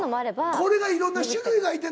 これがいろんな種類がいてる。